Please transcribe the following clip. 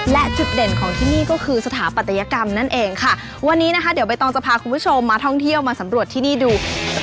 และจุดเด่นของที่นี่ก็คือสถาปัตยกรรมนั่นเองค่ะวันนี้นะคะเดี๋ยวใบตองจะพาคุณผู้ชมมาท่องเที่ยวมาสำรวจที่นี่ดู